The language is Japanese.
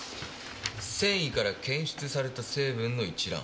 繊維から検出された成分の一覧。